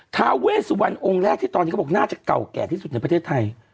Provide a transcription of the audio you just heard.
ทาเวสวันองค์แรกที่ตอนนี้เขาบอกน่าจะเก่าแก่ที่สุดในประเทศไทย